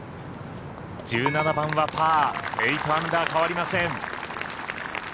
１７番はパー８アンダー、変わりません。